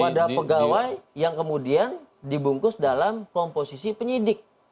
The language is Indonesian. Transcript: wadah pegawai yang kemudian dibungkus dalam komposisi penyidik